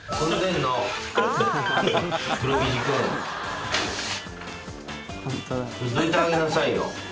どいてあげなさいよ